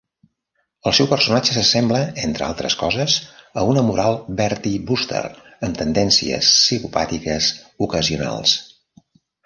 El seu personatge s'assembla, entre altres coses, a un amoral Bertie Wooster amb tendències psicopàtiques ocasionals.